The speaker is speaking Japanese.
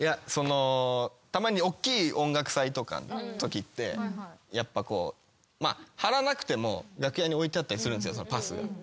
たまにおっきい音楽祭とかのときってやっぱ張らなくても楽屋に置いてあったりするんですよパス。